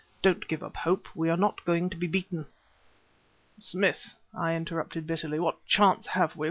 "Don't give up hope! We are not going to be beaten!" "Smith," I interrupted bitterly, "what chance have we?